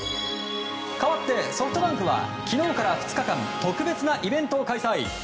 かわってソフトバンクは昨日から特別なイベントを開催。